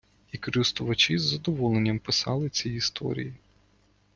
І користувачі з задоволенням писали ці історії.